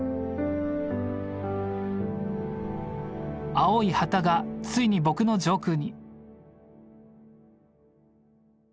青い旗がついに僕の上空に。